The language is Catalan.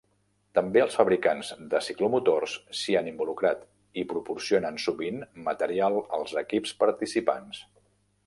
També els fabricants de ciclomotors s'hi han involucrat i proporcionen sovint material als equips participants.